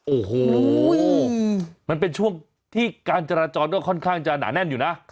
โอ้โหมันเป็นช่วงที่การจราจรก็ค่อนข้างจะหนาแน่นอยู่นะ